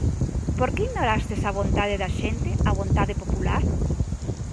Porque ignorastes a vontade da xente, a vontade popular.